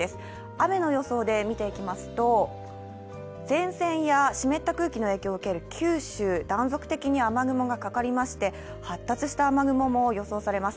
雨の予想で見ていきますと、前線や湿った空気の影響を受ける九州、断続的に雨雲がかかりまして、発達した雨雲も予想されます